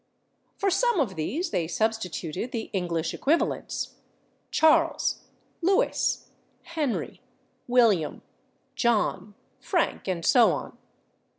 For some of these they substituted the English equivalents: /Charles/, /Lewis/, /Henry/, /William/, /John/, /Frank/ and so on.